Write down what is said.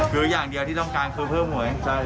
คืออย่างเดียวที่ต้องการคือเพิ่มหัวใจ